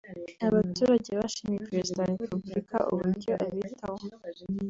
Abaturage bashimiye Perezida wa Repubulika uburyo abitaho